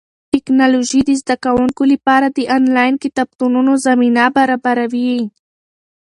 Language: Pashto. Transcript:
ټیکنالوژي د زده کوونکو لپاره د انلاین کتابتونونو زمینه برابره کړه.